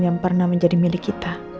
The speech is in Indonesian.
yang pernah menjadi milik kita